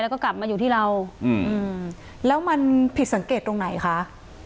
แล้วก็กลับมาอยู่ที่เราอืมแล้วมันผิดสังเกตตรงไหนคะ